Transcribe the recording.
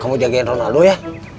kamu jagain ronaldo ya